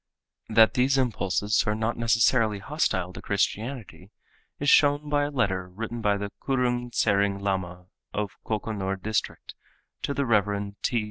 That these impulses are not necessarily hostile to Christianity is shown by a letter written by the Kurung Tsering Lama of Kokonor district to the Rev. T.